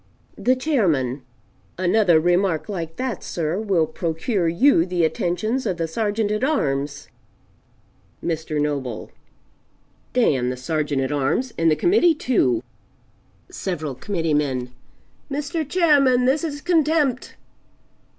The Chairman "Another remark like that, sir, will procure you the attentions of the Sergeant at arms." Mr. Noble "D n the Sergeant at arms, and the Committee too!" Several Committeemen "Mr. Chairman, this is Contempt!"